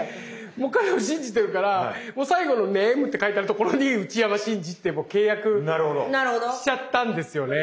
もう彼を信じてるからもう最後のＮＡＭＥって書いてあるところに内山信二って契約しちゃったんですよね。